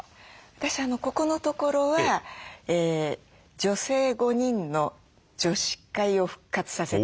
私ここのところは女性５人の女子会を復活させた。